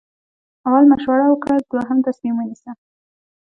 اول مشوره وکړه دوهم تصمیم ونیسه.